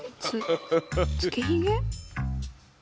つつけひげ？